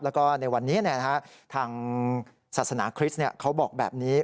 แล้วก็ในวันนี้เนี่ยนะฮะทางศาสนาคริสต์เนี่ยเขาบอกแบบนี้